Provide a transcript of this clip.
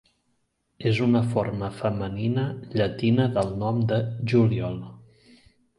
És una forma femenina llatina del nom de Juliol.